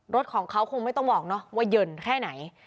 รถของเขาคงไม่ต้องบอกเนาะว่าเย็นแค่ไหน